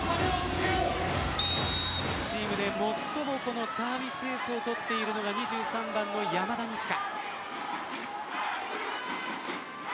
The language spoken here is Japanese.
チームで最もサービスエースを取っているのが１１番の山田二千華。